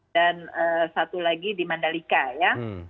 dan satu lagi di mandalika ya